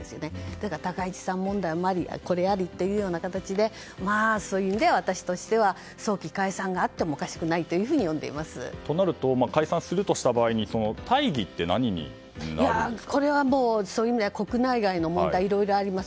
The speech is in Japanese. だから高市さん問題もありこれもありということでそういう意味で私としては早期解散があってもとなると解散するとした場合に国内外の問題いろいろあります。